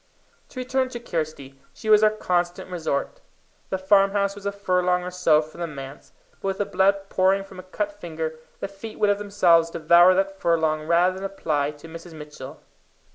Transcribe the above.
To return to Kirsty: she was our constant resort. The farmhouse was a furlong or so from the manse, but with the blood pouring from a cut finger, the feet would of themselves devour that furlong rather than apply to Mrs. Mitchell.